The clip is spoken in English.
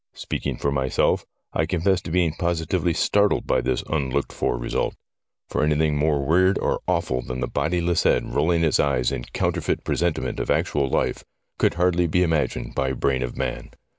Speaking for myself, I confess to being positively startled by this unlooked for result ; for anything more weird or awful than the bodiless head rolling its eyes in counterfeit present ment of actual life could hardly be imagined by brain of man.